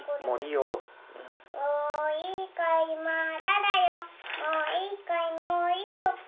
もういいかいもういいよ。